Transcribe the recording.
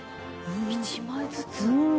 １枚ずつ。